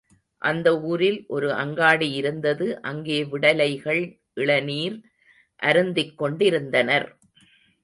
அந்த ஊரில் ஒரு அங்காடி இருந்தது அங்கே விடலைகள் இளநீர் அருந்திக் கொண்டிருந்தனர்.